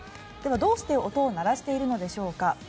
では、どうして音を鳴らしているのでしょうか。